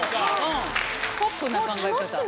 ポップな考え方。